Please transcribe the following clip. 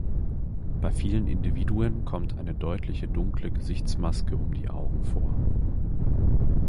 Bei vielen Individuen kommt eine deutliche dunkle Gesichtsmaske um die Augen vor.